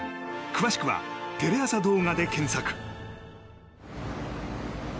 詳しくはテレ朝動画で検索。